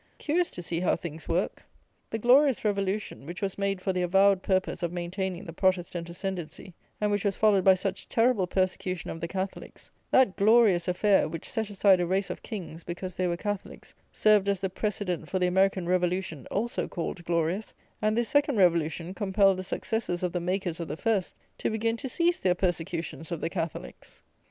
Curious to see how things work! The "glorious revolution," which was made for the avowed purpose of maintaining the Protestant ascendancy, and which was followed by such terrible persecution of the Catholics; that "glorious" affair, which set aside a race of kings, because they were Catholics, served as the precedent for the American revolution, also called "glorious," and this second revolution compelled the successors of the makers of the first, to begin to cease their persecutions of the Catholics!